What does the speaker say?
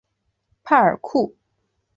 帕尔库。